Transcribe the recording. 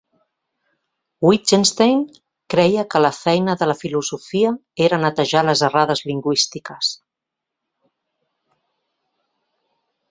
Wittgenstein creia que la feina de la filosofia era netejar les errades lingüístiques.